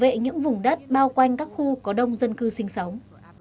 và bảo vệ những vùng đất bao quanh các khu có đông dân cư sinh sống